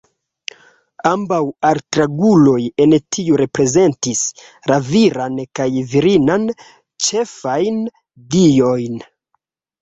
Ambaŭ altranguloj en tio reprezentis la viran kaj virinan ĉefajn diojn.